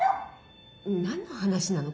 何の話なの？